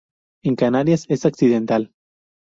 En Canarias es accidental.